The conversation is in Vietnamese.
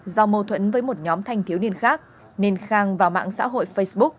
do mâu thuẫn với một nhóm thanh thiếu niên khác nên khang vào mạng xã hội facebook